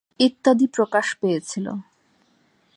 ইত্যাদি প্ৰকাশ পেয়েছিল।